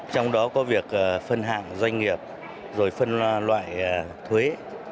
trong đó có việc phân hạng doanh nghiệp rồi phân loại thuế